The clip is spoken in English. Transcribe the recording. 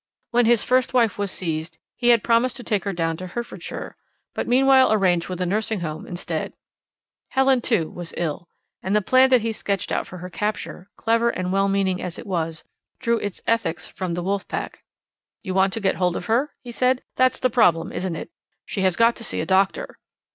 When his first wife was seized, he had promised to take her down into Hertfordshire, but meanwhile arranged with a nursing home instead. Helen, too, was ill. And the plan that he sketched out for her capture, clever and well meaning as it was, drew its ethics from the wolf pack. "You want to get hold of her?" he said. "That's the problem, isn't it? She has got to see a doctor."